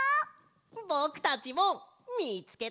ぼくたちもみつけたぞ！